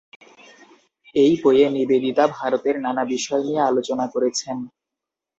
এই বইতে নিবেদিতা ভারতের নানা বিষয় নিয়ে আলোচনা করেছেন।